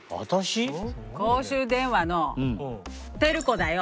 公衆電話のテル子だよ。